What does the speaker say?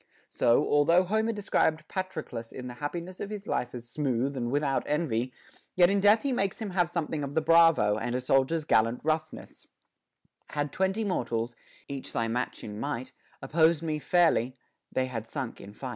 So, although Homer described Patroclus in the happinesses of his life as smooth and without envy, yet in death he makes him have something of the bravo, and a soldier's gallant roughness : Had twenty mortals, each thy match in might, Opposed me fairly, tliey had sunk in fight.